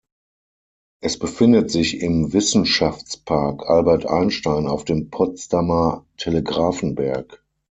Es befindet sich im Wissenschaftspark Albert Einstein auf dem Potsdamer Telegrafenberg.